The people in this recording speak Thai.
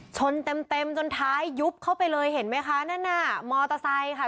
ชนเต็มเต็มจนท้ายยุบเข้าไปเลยเห็นไหมคะนั่นน่ะมอเตอร์ไซค์ค่ะ